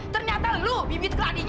ternyata lu bibit ke ladinya